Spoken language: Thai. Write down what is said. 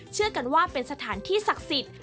เชื่อกันว่าเป็นสถานที่ศักดิ์สิทธิ์